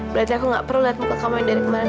berarti aku gak perlu lihat muka kamu yang dari kemarin